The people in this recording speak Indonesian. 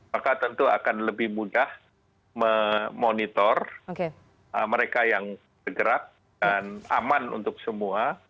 maka tentu akan lebih mudah memonitor mereka yang bergerak dan aman untuk semua